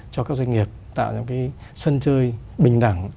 cho các doanh nghiệp tạo ra một cái sân chơi bình đẳng